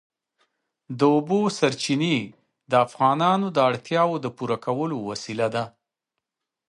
د اوبو سرچینې د افغانانو د اړتیاوو د پوره کولو وسیله ده.